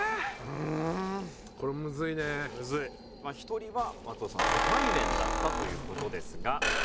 １人は松尾さん初対面だったという事ですが。